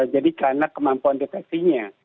jadi karena kemampuan defeksinya